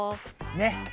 ねっ！